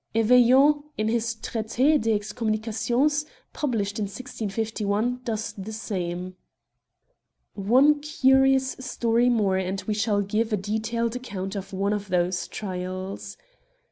Eveillon, in his Traits des Excommunications y published in 165 i, does the same. One curious story more, and we shall give a detailed account of one of these trials.